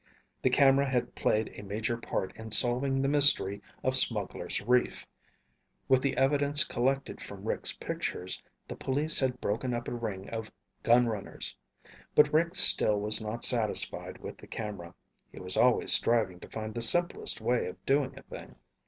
The camera had played a major part in solving the mystery of Smugglers' Reef. With the evidence collected from Rick's pictures, the police had broken up a ring of gunrunners. But Rick still was not satisfied with the camera. He was always striving to find the simplest way of doing a thing.